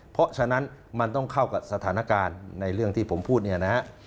เพราะฉะนั้นมันต้องเข้ากับสถานการณ์ในเรื่องที่ผมพูดเนี่ยนะฮะ